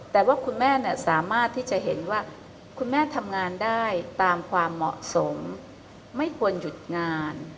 แต่ว่าคุณแม่สามารถที่จะเห็นว่าคุณแม่ทำงานได้ตามความเหมาะสมไม่ควรหยุดงาน